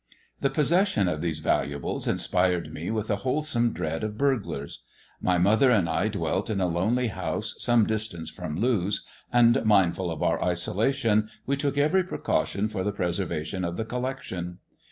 The possession of these valuables inspired me with a wholesome dread of burglars. My mother and I dwelt in a lonely house some distai^ce from Lewes, and, mindful of our isolation, we took every precaution for the preservation of the collection.